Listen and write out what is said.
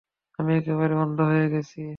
আমি একেবারে অন্ধ হয়ে গেছি!